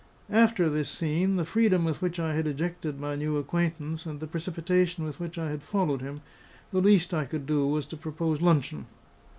After this scene, the freedom with which I had ejected my new acquaintance, and the precipitation with which I had followed him, the least I could do was to propose luncheon.